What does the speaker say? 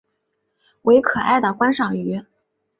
为可爱的观赏鱼。